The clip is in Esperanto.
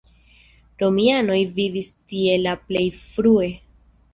Romianoj vivis tie la plej frue.